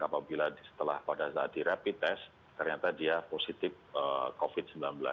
apabila setelah pada saat direpit tes ternyata dia positif covid sembilan belas